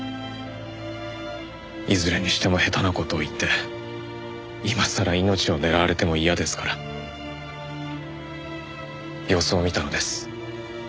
いずれにしても下手な事を言って今さら命を狙われても嫌ですから様子を見たのです。